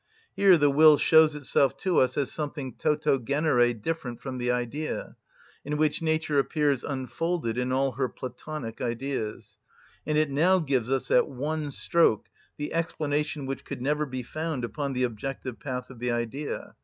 Here the will shows itself to us as something toto genere different from the idea, in which nature appears unfolded in all her (Platonic) Ideas; and it now gives us, at one stroke, the explanation which could never be found upon the objective path of the idea.